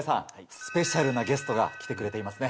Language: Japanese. スペシャルなゲストが来てくれていますね。